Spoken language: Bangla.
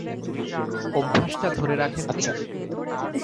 অভ্যাসটা ধরে রাখেন নি?